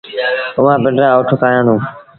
اُئآݩ پنڊرآ اُٺ ڪآهيآندون۔